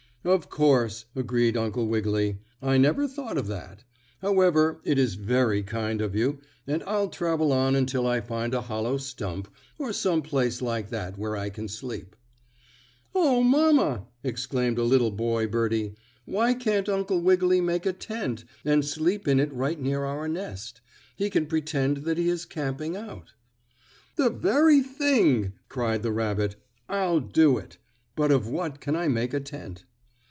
"Of course," agreed Uncle Wiggily, "I never thought of that. However, it is very kind of you, and I'll travel on until I find a hollow stump, or some place like that where I can sleep." "Oh, mamma!" exclaimed a little boy birdie, "why can't Uncle Wiggily make a tent, and sleep in it right near our nest? He can pretend that he is camping out." "The very thing!" cried the rabbit. "I'll do it. But of what can I make a tent?"